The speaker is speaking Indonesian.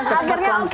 akhirnya oke mau